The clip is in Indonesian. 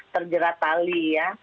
terjerat tali ya